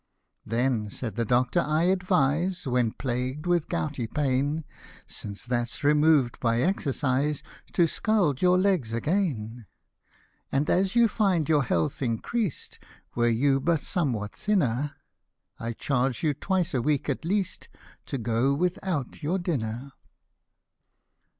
" Then," said the doctor, " 1 advise When plagued with gouty pain ; Since that's remov'd by exercise, To scald your legs again. te And as you'd find your health increased, Were you but somewhat thinner ; I charge you twice a week at least To go without your dinner."